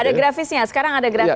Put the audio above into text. ada grafisnya sekarang ada grafis